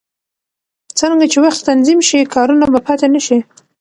څرنګه چې وخت تنظیم شي، کارونه به پاتې نه شي.